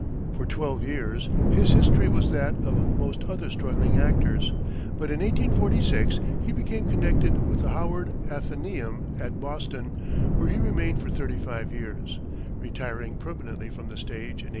For twelve years his history was that of most other struggling actors, but in 1846 he became connected with the Howard Athenæum at Boston, where he remained for thirty five years, retiring permanently from the stage in 1882.